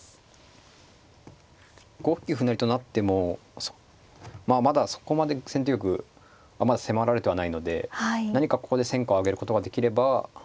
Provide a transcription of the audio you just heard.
５九歩成と成ってもまあまだそこまで先手玉まだ迫られてはないので何かここで戦果を上げることができればっていうのはありますね。